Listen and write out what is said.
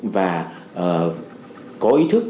và có ý thức